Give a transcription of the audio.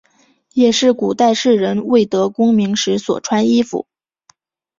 也是古代士人未得功名时所穿衣服。